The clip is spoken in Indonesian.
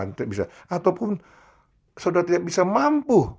ataupun saudara tidak bisa mampu